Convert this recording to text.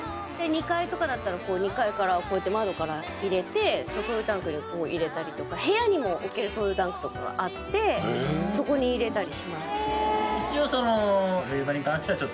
２階とかだったらこう２階からこうやって窓から入れて灯油タンクにこう入れたりとか部屋にも置ける灯油タンクとかがあってそこに入れたりします。